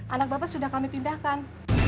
anak bapak sudah kami pindahkan